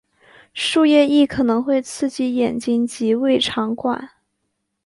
树液亦可能会刺激眼睛及胃肠管。